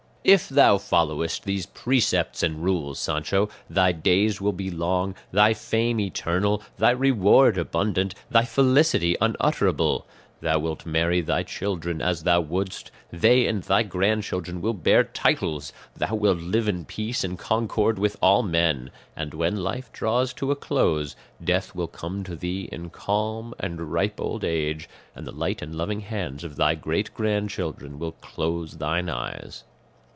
"If thou followest these precepts and rules, Sancho, thy days will be long, thy fame eternal, thy reward abundant, thy felicity unutterable; thou wilt marry thy children as thou wouldst; they and thy grandchildren will bear titles; thou wilt live in peace and concord with all men; and, when life draws to a close, death will come to thee in calm and ripe old age, and the light and loving hands of thy great grandchildren will close thine eyes.